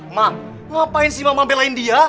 emang ngapain si mama belain dia